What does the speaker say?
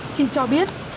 chị cho biết